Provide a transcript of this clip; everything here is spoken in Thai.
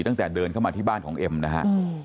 ตั้งแต่เดินเข้ามาที่บ้านของเอ็มนะฮะ